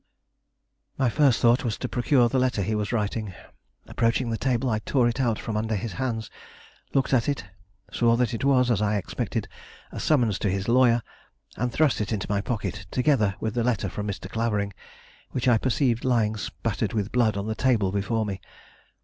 My first thought was to procure the letter he was writing. Approaching the table, I tore it out from under his hands, looked at it, saw that it was, as I expected, a summons to his lawyer, and thrust it into my pocket, together with the letter from Mr. Clavering, which I perceived lying spattered with blood on the table before me.